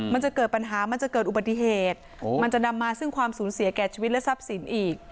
มันจะเกิดปัญหามันจะเกิดอุบัติเหตุมันจะนำมาซึ่งความสูญเสียแก่ชีวิตและทรัพย์สินอีก